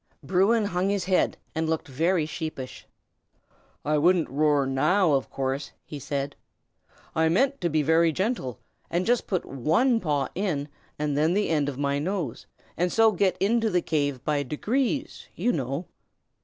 Bruin hung his head, and looked very sheepish. "I shouldn't roar, now, of course," he said. "I meant to be very gentle, and just put one paw in, and then the end of my nose, and so get into the cave by degrees, you know."